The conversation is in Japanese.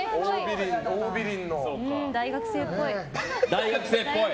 大学生っぽい。